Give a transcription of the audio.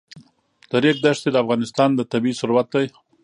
د ریګ دښتې د افغانستان طبعي ثروت دی.